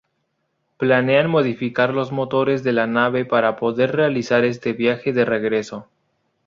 Planean modificar los motores de la nave para poder realizar este viaje de regreso.